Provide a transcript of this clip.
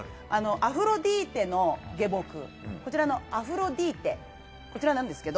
アフロディーテの下僕、こちらのアフロディーテなんですけど。